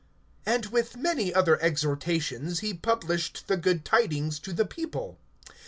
(18)And with many other exhortations he published the good tidings to the people.